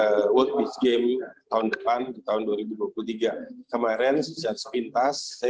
untuk world beach games tahun depan tahun dua ribu dua puluh tiga kemarin secara sepintas